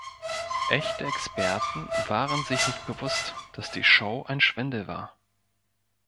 Echte Experten waren sich nicht bewusst, dass die Show ein Schwindel war.